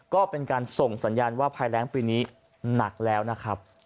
ก็เป็นการส่งสัญญาณว่าภายแรงปีนี้หนักแล้วนะครับ